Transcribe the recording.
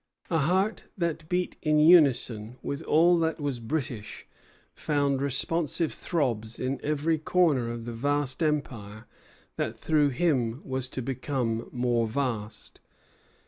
A heart that beat in unison with all that was British found responsive throbs in every corner of the vast empire that through him was to become more vast.